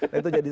nah itu jadi